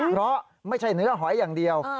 เพราะไม่ใช่เนื้อหอยอย่างเดียว